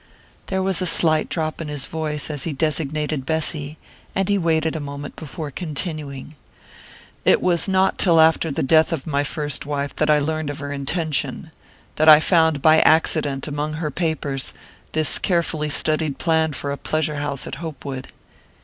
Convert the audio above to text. There was a slight drop in his voice as he designated Bessy, and he waited a moment before continuing: "It was not till after the death of my first wife that I learned of her intention that I found by accident, among her papers, this carefully studied plan for a pleasure house at Hopewood."